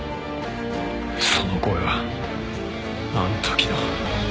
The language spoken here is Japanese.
その声はあの時の。